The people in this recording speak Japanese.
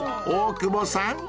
［大久保さん